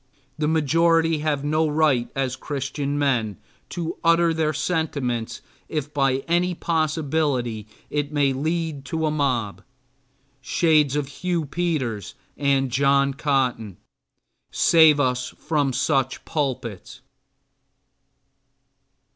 The majority then have no right as Christian men, to utter their sentiments if by any possibility it may lead to a mob. Shades of Hugh Peters and John Cotton, save us from such pulpits!